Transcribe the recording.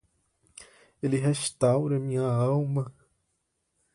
Ele restaura minha alma.